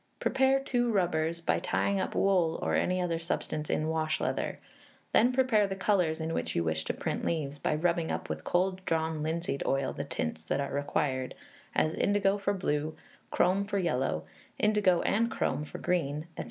Prepare two rubbers by tying up wool or any other substance in wash leather; then prepare the colours in which you wish to print leaves, by rubbing up with cold drawn linseed oil the tints that are required, as indigo for blue, chrome for yellow, indigo and chrome for green, &c.